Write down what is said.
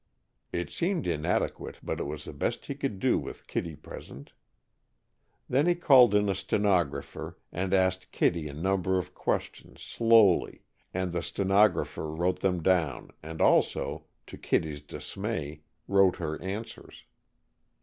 It seemed inadequate, but it was the best he could do with Kittie present. Then he called in a stenographer, and asked Kittie a number of questions slowly, and the stenographer wrote them down, and also, to Kittie's dismay, wrote her answers.